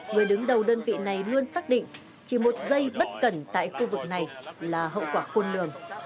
người đứng đầu đơn vị này luôn xác định chỉ một giây bất cẩn tại khu vực này là hậu quả khôn lường